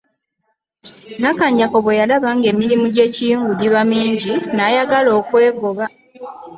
Nakanjako bwe yalaba ng'emirimu gy'ekiyungu giba mingi n'ayagala okwegoba.